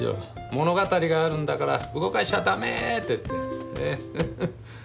「物語があるんだから動かしちゃだめ！」って言って。